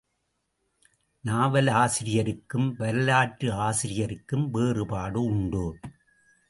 நாவலாசிரியருக்கும், வரலாற்று ஆசிரியருக்கும் வேறுபாடு உண்டு.